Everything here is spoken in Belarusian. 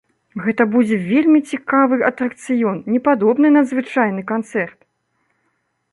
Гэта будзе вельмі цікавы атракцыён, непадобны на звычайны канцэрт!